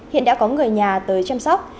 hiện đã có người nhà tới chăm sóc